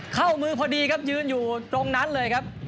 เข้ามือพอดีครับยืนอยู่ตรงนั้นเลยครับ